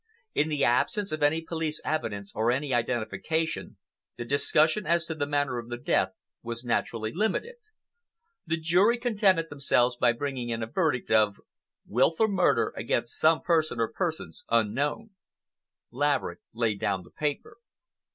In the absence of any police evidence or any identification, the discussion as to the manner of the death was naturally limited. The jury contented themselves by bringing in a verdict of "Wilful murder against some person or persons unknown." Laverick laid down the paper.